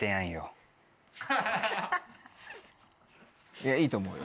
いやいいと思うよ。